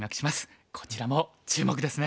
こちらも注目ですね！